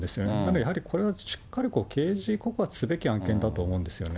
やはりこれはしっかり刑事告発すべき案件だと思うんですよね。